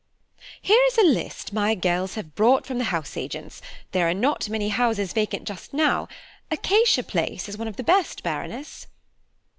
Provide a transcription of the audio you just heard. "Here is a list my girls have brought from the house agent's; there are not many houses vacant just now; Acacia Place is one of the best, Baroness."